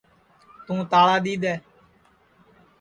توں تاݪا دؔی دؔے